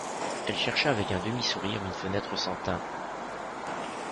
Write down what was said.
Elle chercha avec un demi-sourire une fenêtre sans tain.